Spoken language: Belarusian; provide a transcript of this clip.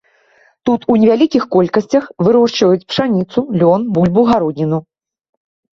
Тут у невялікіх колькасцях вырошчваюць пшаніцу, лён, бульба і гародніна.